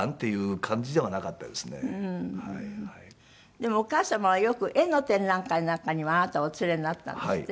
でもお母様はよく絵の展覧会なんかにはあなたをお連れになったんですって？